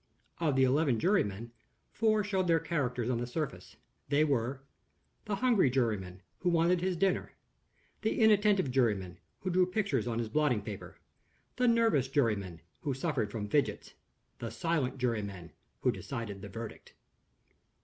Of the eleven jurymen, four showed their characters on the surface. They were: The hungry juryman, who wanted his dinner. The inattentive juryman, who drew pictures on his blotting paper. The nervous juryman, who suffered from fidgets. The silent juryman, who decided the verdict.